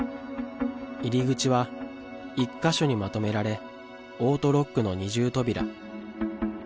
入り口は１か所にまとめられ、オートロックの二重扉。